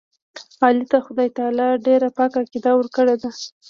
علي ته خدای تعالی ډېره پاکه عقیده ورکړې ده.